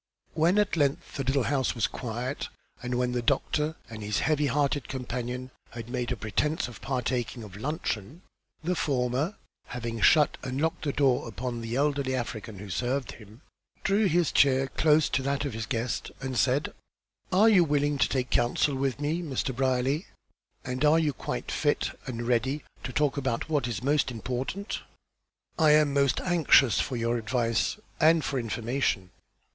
When at length the little house was quiet, and when the doctor and his heavy hearted companion had made a pretence of partaking of luncheon, the former, having shut and locked the door upon the elderly African who served him, drew his chair close to that of his guest, and said: "Are you willing to take counsel with me, Mr. Brierly? And are you quite fit and ready to talk about what is most important?" "I am most anxious for your advice, and for information."